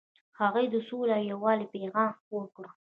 هغوی د سولې او یووالي پیغام خپور کړ.